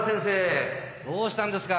どうしたんですか？